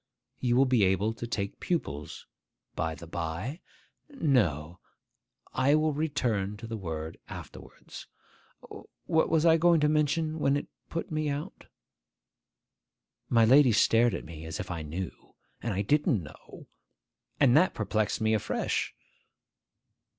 You will be able to take pupils. By the bye! No: I will return to the word afterwards. What was I going to mention, when it put me out?' My lady stared at me, as if I knew. And I didn't know. And that perplexed me afresh.